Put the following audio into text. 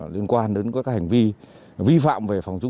liên quan đến các hành vi vi phạm